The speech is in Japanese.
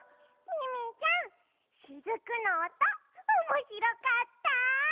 ミミィちゃんしずくのおとおもしろかった。